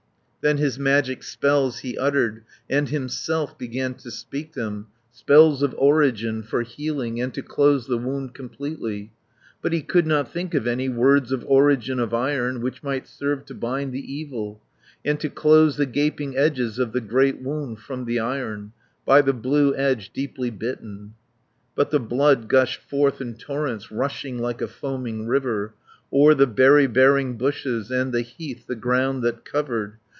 Then his magic spells he uttered, And himself began to speak them, Spells of origin, for healing, And to close the wound completely. 180 But he could not think of any Words of origin of iron, Which might serve to bind the evil, And to close the gaping edges Of the great wound from the iron, By the blue edge deeply bitten. But the blood gushed forth in torrents, Rushing like a foaming river, O'er the berry bearing bushes, And the heath the ground that covered.